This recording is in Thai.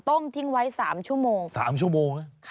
ต้องทิ้งไว้๓ชั่วโมง